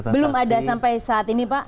belum ada sampai saat ini pak